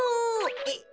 えっ。